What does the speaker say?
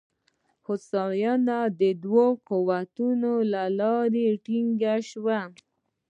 هوساینه د دوو قوتونو له لوري ټکنۍ شوه.